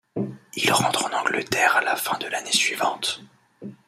Il rentre en Angleterre à la fin de l'année suivante.